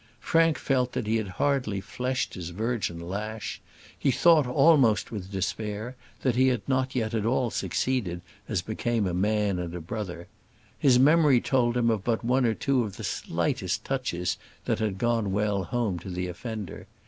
Frank felt that he had hardly fleshed his virgin lash: he thought, almost with despair, that he had not yet at all succeeded as became a man and a brother; his memory told him of but one or two of the slightest touches that had gone well home to the offender.